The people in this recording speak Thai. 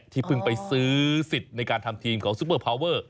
เพิ่งไปซื้อสิทธิ์ในการทำทีมของซุปเปอร์พาวเวอร์